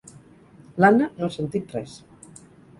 L'Anna no ha sentit res.